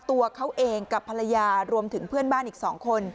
ตัวเขาเองกับภรรยารวมถึงเพื่อนบ้านอีก๒คน